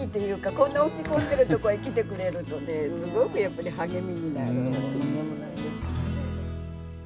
こんな落ち込んでるとこへ来てくれるとねすごくやっぱり励みになる。